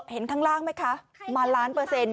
เห็นข้างล่างไหมคะมาล้านเปอร์เซ็นต์